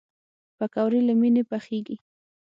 پکورې له مینې پخېږي